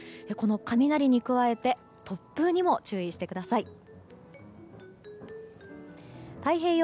この雷に加えて突風にも注意してください。